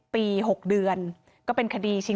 ๒๐ปี๖เดือน